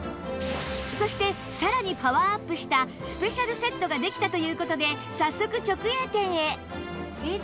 そしてさらにパワーアップしたスペシャルセットができたという事で早速直営店へ